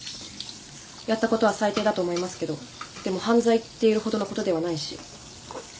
やったことは最低だと思いますけどでも犯罪って言えるほどのことではないし。